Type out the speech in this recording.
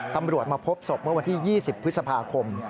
ตำรวจมาพบศพเมื่อวันที่๒๐พฤษภาคม